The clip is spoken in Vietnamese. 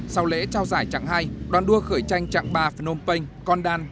sau lễ trao giải chặng hai đoàn đua khởi tranh chặng ba phnom penh condal